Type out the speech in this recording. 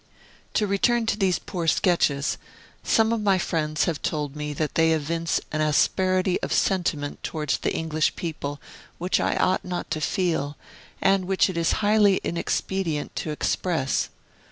To return to these poor Sketches; some of my friends have told me that they evince an asperity of sentiment towards the English people which I ought not to feel, and which it is highly inexpedient to express.